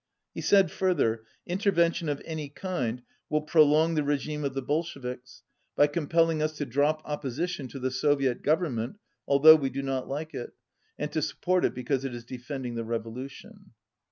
He said, further: "Intervention of any kind 210 will prolong the regime of the Bolsheviks by com pelling us to drop opposition to the Soviet Govern ment, although we do not like it, and to support it because it is defending the revolution."